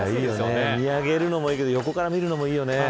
見上げるのもいいけど横から見るのもいいよね。